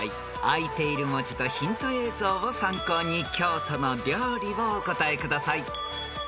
［あいている文字とヒント映像を参考に京都の料理をお答えください］